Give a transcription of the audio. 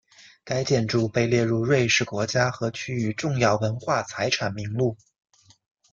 该建筑被列入瑞士国家和区域重要文化财产名录。